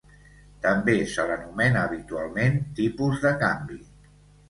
També se l'anomena habitualment tipus de canvi.